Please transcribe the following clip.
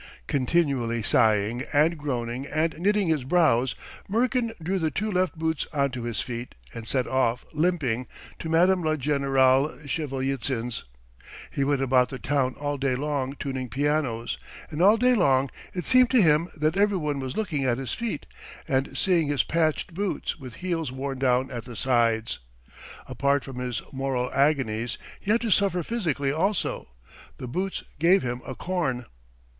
Continually sighing and groaning and knitting his brows, Murkin drew the two left boots on to his feet, and set off, limping, to Madame la Générale Shevelitsyn's. He went about the town all day long tuning pianos, and all day long it seemed to him that everyone was looking at his feet and seeing his patched boots with heels worn down at the sides! Apart from his moral agonies he had to suffer physically also; the boots gave him a corn.